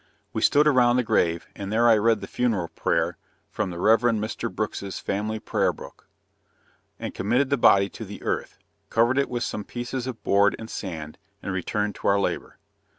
We stood around the grave, and there I read the funeral prayer from the Rev. Mr. Brooks's Family Prayer Book; and committed the body to the earth; covered it with some pieces of board and sand, and returned to our labor.